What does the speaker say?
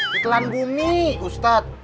di telan bumi ustadz